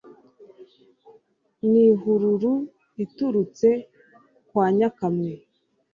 N' ihururu iturutse kwa Nyakamwe.